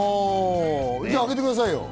じゃあ、あげてくださいよ。